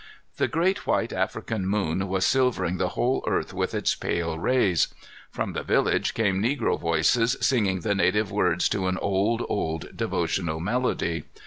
The great white African moon was silvering the whole earth with its pale rays. From the village came negro voices, singing the native words to an old, old devotional melody.